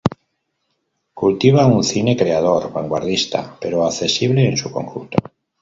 Cultiva un cine creador, vanguardista, pero accesible en su conjunto.